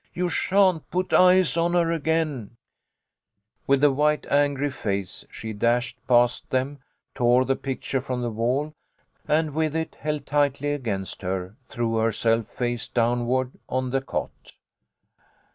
You sha'n't put eyes on her again !" With a white angry face she dashed past them, tore the picture from the wall, and with it held tightly against her threw herself face downward on the cot.